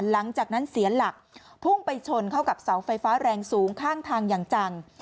หลังจากนั้นเสียหลักพุ่งไปชนเข้ากับเสาไฟฟ้าแรงสูงข้างทางอย่างจัง